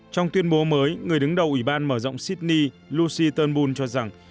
trong tuyên bố mới người đứng đầu ủy ban mở rộng sydney lucy turnbull cho rằng